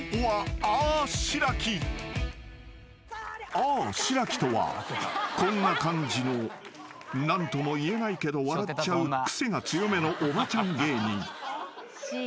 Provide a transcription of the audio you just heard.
［あぁしらきとはこんな感じの何とも言えないけど笑っちゃうクセが強めのおばちゃん芸人］